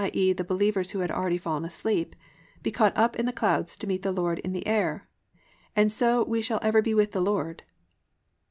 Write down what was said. e., the believers who had already fallen asleep) +be caught up in the clouds, to meet the Lord in the air; and so shall we ever be with the Lord."